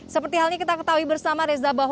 seperti hal ini kita ketahui bersama reza